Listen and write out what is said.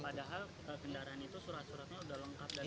padahal kendaraan itu surat suratnya sudah lengkap